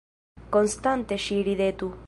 Konstante ŝi ridetu!